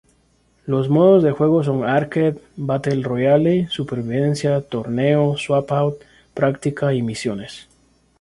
Los modos de juego son "Arcade", "Battle Royale", "Supervivencia", "Torneo", "Swap-Out", "Práctica", y "Misiones".